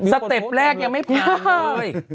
สเต็ปแรกยังไม่พลาดเลย